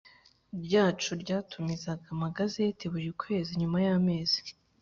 ryacu ryatumizaga amagazeti buri kwezi Nyuma y amezi